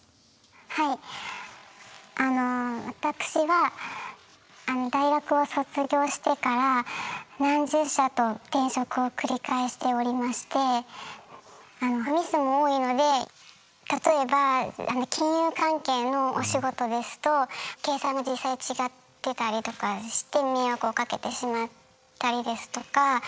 あの私は大学を卒業してから何十社と転職を繰り返しておりましてミスも多いので例えば金融関係のお仕事ですと計算が実際違ってたりとかして迷惑をかけてしまったりですとか。